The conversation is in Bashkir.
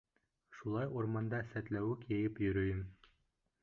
Шулай урманда сәтләүек йыйып йөрөйөм.